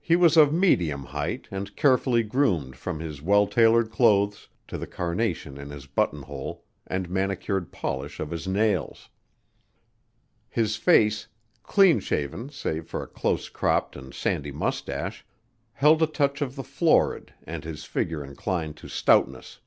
He was of medium height and carefully groomed from his well tailored clothes to the carnation in his buttonhole and manicured polish of his nails. His face, clean shaven save for a close cropped and sandy mustache, held a touch of the florid and his figure inclined to stoutness.